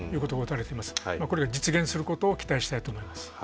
これが実現することを期待したいと思います。